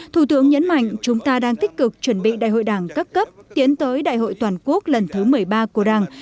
thủ tướng nhấn mạnh chúng ta đang tích cực chuẩn bị đại hội đảng các cấp tiến tới đại hội toàn quốc lần thứ một mươi ba của đảng